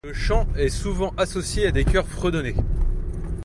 Le chant est souvent associé à des chœurs fredonnés.